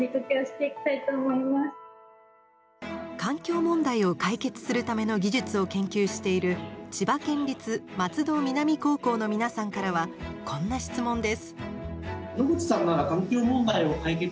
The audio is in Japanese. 環境問題を解決するための技術を研究している千葉県立松戸南高校の皆さんからはこんな質問です。